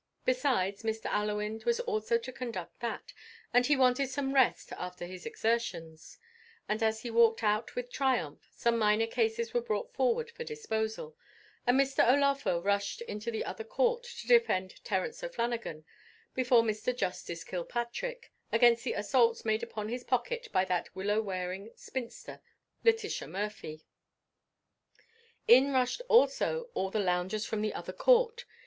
Besides, Mr. Allewinde was also to conduct that, and he wanted some rest after his exertions; and as he walked out with triumph, some minor cases were brought forward for disposal, and Mr. O'Laugher rushed into the other court to defend Terence O'Flanagan before Mr. Justice Kilpatrick, against the assaults made upon his pocket by that willow wearing spinster, Letitia Murphy. In rushed also all the loungers from the other court.